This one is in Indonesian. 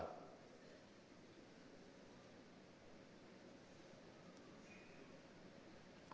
dua jam sebelum pesawat saya turun di kabul